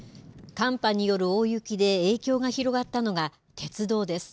寒波による大雪で、影響が広がったのが鉄道です。